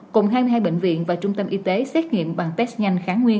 cùng hai mươi hai bệnh viện và trung tâm y tế xét nghiệm bằng test nhanh kháng nguyên